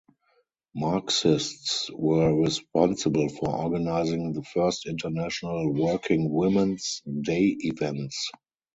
Marxists were responsible for organizing the first International Working Women's Day events.